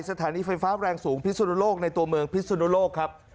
สถานีไฟฟ้าแรงสูงพิสุนโลกในตัวเมืองพิสุนโลกครับ